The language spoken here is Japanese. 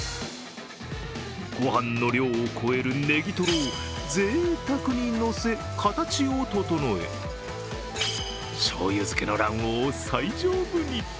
ご飯の量を超えるネギトロをぜいたくにのせ、形を整え、醤油漬けの卵黄を最上部に。